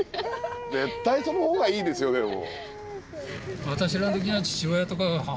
絶対そのほうがいいですよでも。